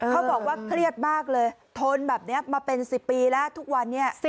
เขาบอกว่าเครียดมากเลยทนแบบนี้มาเป็น๑๐ปีแล้วทุกวันนี้